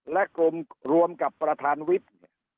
และกลุ่มรวมกับประธานวิทย์เนี่ย